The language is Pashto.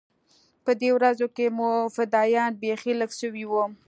په دې ورځو کښې مو فدايان بيخي لږ سوي وو.